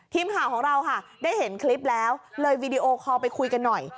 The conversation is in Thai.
ทีมข่าวของเราค่ะได้เห็นคลิปแล้วเลยวีดีโอคอลไปคุยกันหน่อย